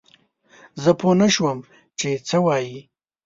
زه پوه نه شوم چې څه وايي؟